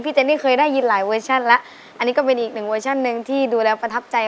เจนนี่เคยได้ยินหลายเวอร์ชั่นแล้วอันนี้ก็เป็นอีกหนึ่งเวอร์ชันหนึ่งที่ดูแล้วประทับใจ